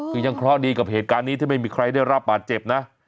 คือยังเคราะห์ดีกับเหตุการณ์นี้ที่ไม่มีใครได้รับบาดเจ็บนะ